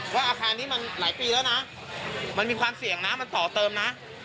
ว่าอาคารนี้มันหลายปีแล้วนะมันมีความเสี่ยงนะมันต่อเติมนะ